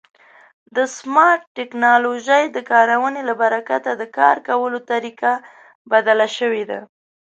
د سمارټ ټکنالوژۍ د کارونې له برکته د کار کولو طریقه بدله شوې ده.